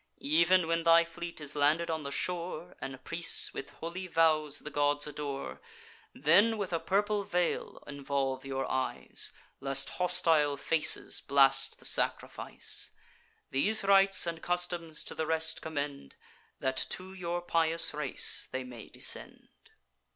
Ev'n when thy fleet is landed on the shore, And priests with holy vows the gods adore, Then with a purple veil involve your eyes, Lest hostile faces blast the sacrifice. These rites and customs to the rest commend, That to your pious race they may descend.